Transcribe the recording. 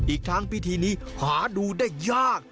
อีกทั้งพิธีนี้หาดูได้ยาก